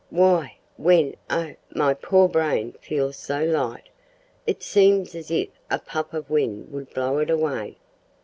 Why when oh! my poor brain feels so light it seems as if a puff of wind would blow it away.